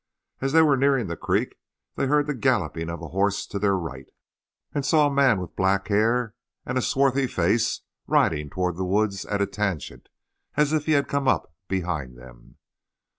As they were nearing the creek they heard the galloping of a horse to their right, and saw a man with black hair and a swarthy face riding toward the woods at a tangent, as if he had come up behind them.